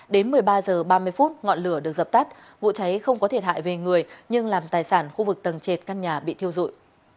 đến một mươi ba h ba mươi phút ngọn lửa được dập tắt vụ cháy không có thiệt hại về người nhưng làm tài sản khu vực tầng trệt căn nhà bị thiêu dụi